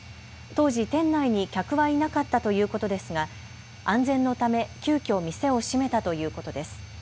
当時、店内に客はいなかったということですが、安全のため急きょ店を閉めたということです。